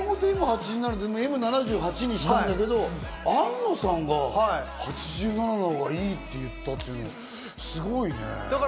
もともとＭ８７で７８にしたんだけど、庵野さんが８７のほうがいいって言ったってすごいね。